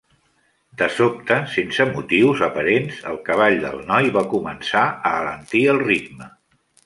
De sobte, sense motius aparents, el cavall del noi va començar a alentir el ritme.